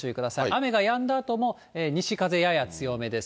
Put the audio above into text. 雨がやんだあとも西風やや強めです。